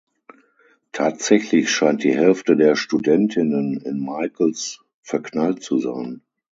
Tatsächlich scheint die Hälfte der Studentinnen in Michaels verknallt zu sein.